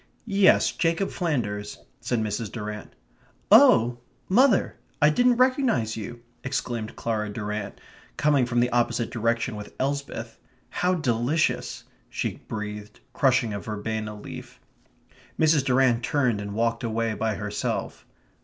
"Yes, Jacob Flanders," said Mrs. Durrant. "Oh, mother! I didn't recognize you!" exclaimed Clara Durrant, coming from the opposite direction with Elsbeth. "How delicious," she breathed, crushing a verbena leaf. Mrs. Durrant turned and walked away by herself.